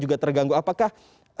juga terganggu apakah